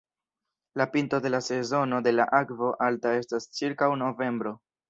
La pinto de la sezono de la akvo alta estas ĉirkaŭ novembro.